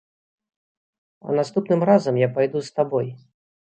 А наступным разам я пайду з табой!